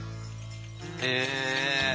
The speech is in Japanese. へえ。